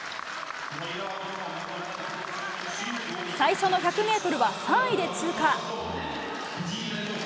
最初の１００ｍは３位で通過。